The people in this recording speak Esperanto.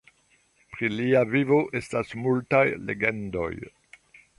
Pri lia vivo estas multaj legendoj.